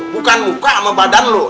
bukan muka sama badan lo